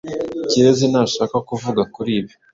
Kirezi ntashaka kuvuga kuri ibi.